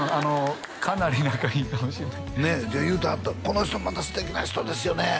かなり仲いいかもしれないねっ言うてはったこの人また素敵な人ですよね